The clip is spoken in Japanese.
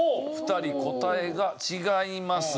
２人答えが違いますね。